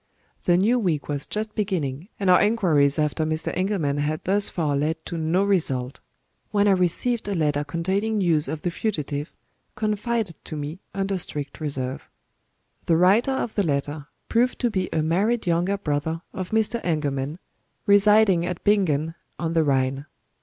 The new week was just beginning, and our inquiries after Mr. Engelman had thus far led to no result when I received a letter containing news of the fugitive, confided to me under strict reserve. The writer of the letter proved to be a married younger brother of Mr. Engelman, residing at Bingen, on the Rhine.